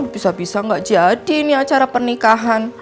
bisa bisa nggak jadi ini acara pernikahan